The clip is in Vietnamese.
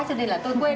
cho nên là tôi quên